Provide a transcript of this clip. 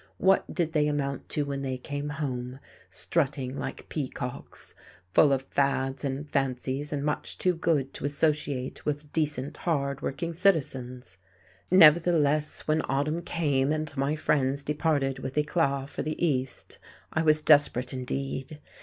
What did they amount to when they came home, strutting like peacocks, full of fads and fancies, and much too good to associate with decent, hard working citizens? Nevertheless when autumn came and my friends departed with eclat for the East, I was desperate indeed!